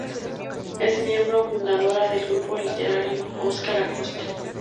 Es miembro fundadora del grupo literario “Óscar Acosta".